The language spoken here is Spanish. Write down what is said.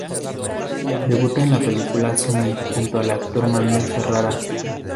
Debuta en la película "Sunny" junto al actor Manuel Ferrara.